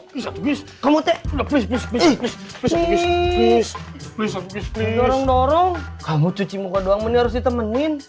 bisa bis kamu tepuk bisa bisa bisa bisa bisa bisa dorong kamu cuci muka doang menurut temenin